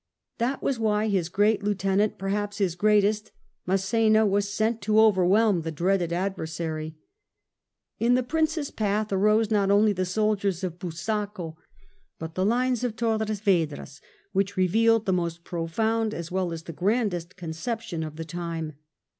That was why his great lieutenant, perhaps his greatest, Mass^na, was sent to overwhelm the dreaded adversary. In the Prince's path arose not only the soldiers of Busaco, but the Lines of Torres Vedras, which revealed the most profoimd, as well as the grandest conception of the time.